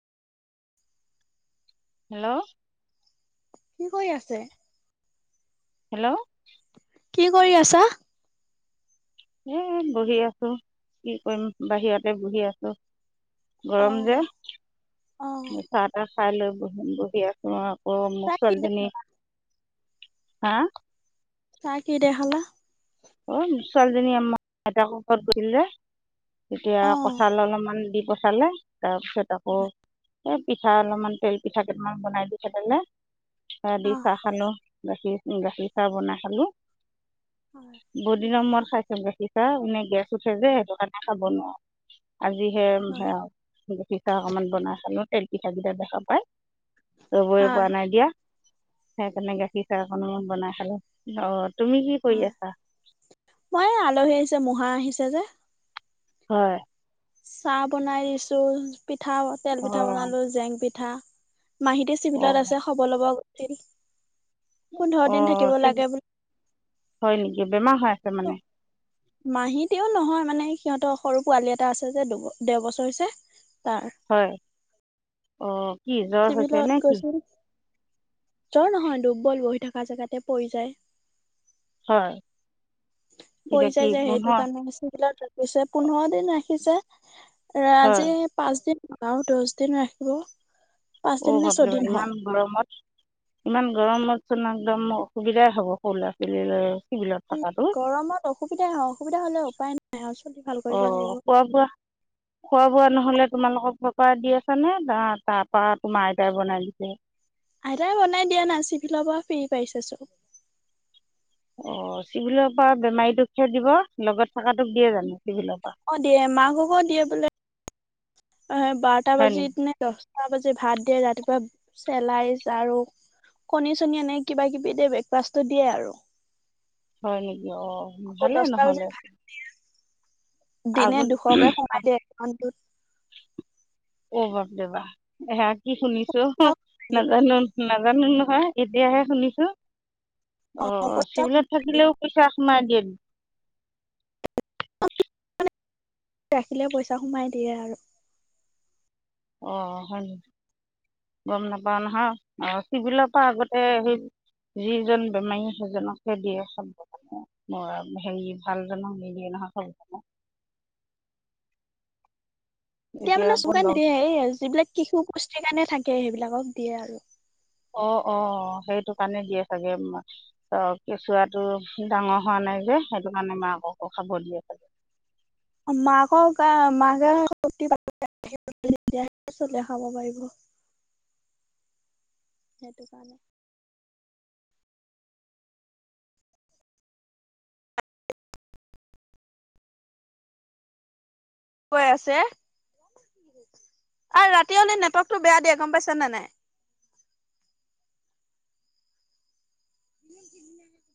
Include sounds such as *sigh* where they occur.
Hello, কি কৰি আছে। হেল্ল, কি কৰি আছা। এ বহি আছো কি কৰিম, বাহিৰতে বহি আছো। গৰম যে, অ', অ', মিঠা এটা খাই লৈ বহি বহি আ আকৌ মোৰ চাহ কি দে ছোৱালীজনী হা চাহ কিহেৰে খালা। অ ছোৱালীজনী আমাৰ দেউতাক ঘৰত গৈছিল যে। তেতিয়া অ', কঁঠাল অলপমান দি পঠালে তাৰপিছত আকৌ। এই পিঠা অলপমান তেল পিঠা কেইটামান বনাই দি পঠালে, সেই দি অ', চাহ খলো। গাখীৰ গাখীৰ চাহ বনাই খালো। হয়। বহুদিনৰ মৰত খাইছো, গাখীৰ চাহ এনে গেছ উঠে যে সেইটো কাৰণে খাব নোৱাৰো। আজিহে হয়, সেয়া গাখীৰ চাহ অকমান বনাই খালো তেল পিঠা কিটা দেখা পায়। খাব পোৱা হয়, নাই দিয়া। সেইকাৰণে গাখীৰ চাহ অকনমান বনাই খালো, অ, তুমি কি কৰি হয়। আছা? মই আলহী আহিছে মহা আহিছে যে। হয়। চাহ বনাই দিছো পিঠা তেল পিঠা, অঁ বনালো জেং পিঠা মাহী চিভিলত অঁ আছে খবৰ ল'ব গৈছিল, পোন্ধৰ দিন অঁ থাকিব লাগে বোলে হয় নেকি, বেমাৰ হৈ আছে মানে। মাহী তেওঁ নহয় মানে সিহঁতৰ সৰু পোৱালি এটা আছে যে দুব দেৰ বছৰ হৈছে তাৰ। হয়, অ, কি জ্বৰ হৈছে চিভিলত নেকি। গৈছিল, জ্বৰ নহয় দুৰ্বল, বহি থকা জেগাতে পৰি যায়। হয়। পৰি এতিয়া কি যায় যে পুনৰ সেইটো হয় কাৰণে চিভিলত ৰাখিছে পোন্ধৰ দিন ৰাখিছে আজি। পাঁচ দিন আৰু দহ দিন ৰাখিব। পাঁচদিন নে ছয়দিন হ'ল *unintelligible* গৰমত ইমান গৰমতচোন একদম অসুবিধাই হ'ব সৰু ল'ৰা ছোৱালী লৈ। উম, গৰমত অসুবিধা হয় অসুবিধা হ'লে উপায় নাই আৰু চুলি ভাল কৰিব লাগিব। *unintelligible* হয় খোৱা বোৱা নহ'লে তোমালোকক ঘৰ পৰা দি আছা নে তাৰ পৰাা তোমাৰ আইতাই বনাই দিছে। আইতাই বনাই দিয়া না চিফিলৰ পৰা ফেৰি পাইছে চো অ, চিভিলৰ পৰা বেমাৰীটো খে দিব লগত থকাটোক দিয়ে জানো চিভিলৰ পৰা। অ, দিয়ে মাক হক দিয়ে বোলে অ, বাৰটা হয় বাজিত নেকি নে। দছটা বাজি ভাত দিয়, ৰাতিপুৱা চেলাইছ আৰু। কণী চনি এনে কিবা কিবি দি, ব্ৰেকফাষ্টটো দিয়ে আৰু। হয় নেকি অ, আকৌ ভালে দহটা বজাত নহ'লে ভাত দিয়ে আগ দিনে দুশ কে সোমাই দিয়ে একাত অ, বাপ দেবা আহ কি শুনিছো অ নাজানো নাজানো নহয়, এতিয়াহে শুনিছো অ, পইচা চিভিলত সোমাই দিয়ে থাকিলেও। বিশ্বাস ম দিয় ৰাখিলে পইচা সোমাই দিয়ে আৰু অ হয় গম নাপাও নহয় আহ চিবিলৰ পৰা আগতে সেই যিজন বেমাৰী সজনক সে দিয়ে খাব ম হেৰি ভাল জ নহ মিয়ে নহয় খ এতিয়া মানে আকৌ লগ চানেিয়ে সে যিবিলাক শিশু পুষ্টিৰ কাৰণে থাকে সেইবিলাকক দিয়ে আৰু অ অ সেইটো কাৰণে দিয়ে চাগে ত কেঁচুৱ টো ডাঙৰ হোৱা নাই যে সেইটো কাৰণে মাককো খাবৰ দিয়ে খে মাকৰ মাকে চল *unintelligible* দেখাব পাৰিব *unintelligible* সেইটো কাৰণে কৈ আছে আৰু ৰাতিয় হলে নেটৱৰ্কটো বেয়া দিয়ে গম পাইছনে নাই